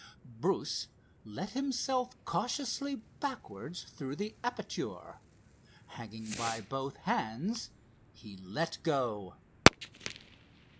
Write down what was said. Bruce let himself cautiously backwards through the aperture. Hanging by both hands, he let go.